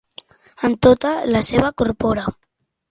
Amb tota la seva còrpora.